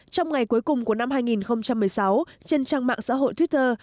trong ngày cuối cùng của năm hai nghìn một mươi sáu trên trang mạng xã hội twitter